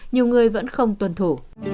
nhiều người vẫn không tuân thủ